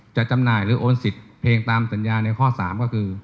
จำหน่ายหรือโอนสิทธิ์เพลงตามสัญญาในข้อ๓ก็คือ